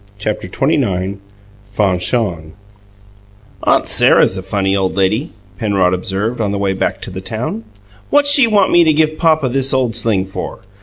CHAPTER XXIX FANCHON "Aunt Sarah's a funny old lady," Penrod observed, on the way back to the town. "What's she want me to give papa this old sling for?